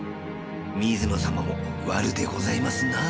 水野様も悪でございますなあ。